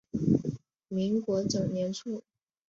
民国九年卒。